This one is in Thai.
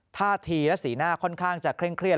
ท่าทีและสีหน้าค่อนข้างจะเคร่งเครียด